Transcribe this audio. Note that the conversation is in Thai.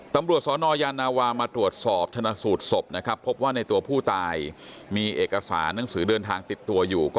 ตำรวจสนยานาวามาตรวจสอบชนะสูตรศพนะครับพบว่าในตัวผู้ตายมีเอกสารหนังสือเดินทางติดตัวอยู่